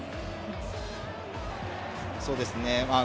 そうですね。